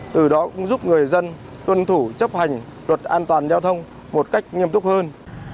từ đó cũng giúp người dân tuân thủ chấp hành luật an toàn giao thông một cách nghiêm túc hơn